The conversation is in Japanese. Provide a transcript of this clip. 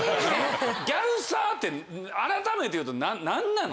ギャルサーって改めて言うと何なの？